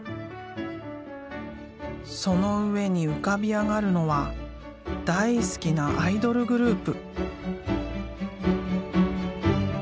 その上に浮かび上がるのは大好きなアイドルグループ。